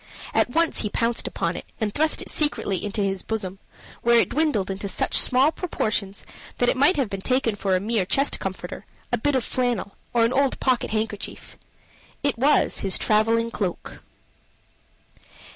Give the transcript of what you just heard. At once he had pounced upon it, and thrust it secretly into his bosom, where it dwindled into such small proportions that it might have been taken for a mere chest comforter, a bit of flannel, or an old pocket handkerchief. It was his traveling cloak!